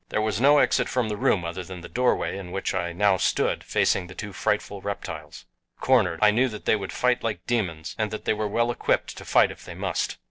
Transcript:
There was no exit from the room other than the doorway in which I now stood facing the two frightful reptiles. Cornered, I knew that they would fight like demons, and they were well equipped to fight if fight they must.